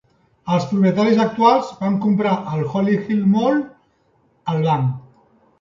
Els propietaris actuals van comprar el Holly Hill Mall al banc.